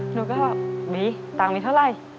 หนูก็บีตังค์มีเท่าไหร่